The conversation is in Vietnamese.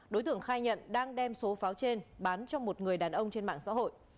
đối tượng khai nhận đang đem số pháo trên bán cho một người đàn ông trên mạng xã hội